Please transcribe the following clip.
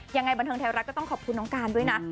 ยังไงบันเทิงไทยรัฐก็ต้องขอบคุณน้องการด้วยนะ